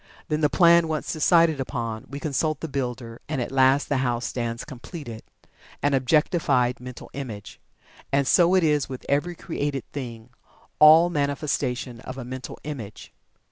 Then, the plan once decided upon, we consult the builder, and at last the house stands completed an objectified Mental Image. And so it is with every created thing all manifestation of a Mental Image.